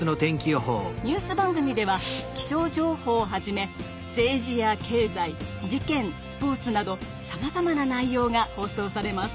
ニュース番組では気象情報をはじめ政治や経済事件スポーツなどさまざまな内ようが放送されます。